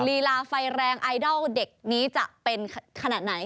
ลีลาไฟแรงไอดอลเด็กนี้จะเป็นขนาดไหน